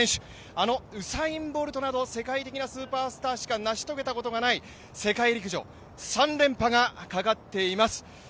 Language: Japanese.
あのウサイン・ボルトなどを世界的なスーパースターしか成し遂げたことがない世界陸上、３連覇がかかっています。